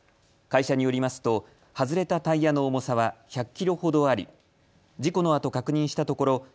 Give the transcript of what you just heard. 会社によりますと外れたタイヤの重さは１００キロほどあり事故のあと確認したところ